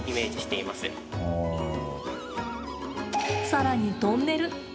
さらに、トンネル。